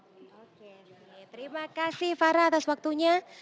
oke terima kasih farah atas waktunya